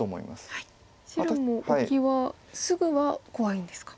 白も置きはすぐは怖いんですか。